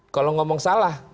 kalau ngomong salah